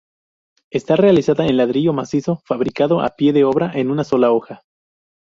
Está realizada en ladrillo macizo, fabricado a pie de obra, en una sola hoja.